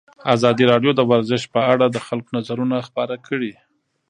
ازادي راډیو د ورزش په اړه د خلکو نظرونه خپاره کړي.